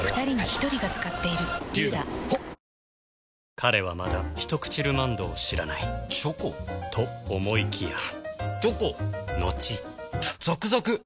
彼はまだ「ひとくちルマンド」を知らないチョコ？と思いきやチョコのちザクザク！